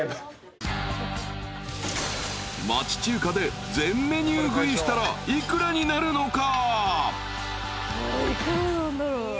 ［町中華で全メニュー食いしたら幾らになるのか？］